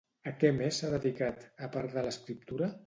A què més s'ha dedicat, a part de l'escriptura?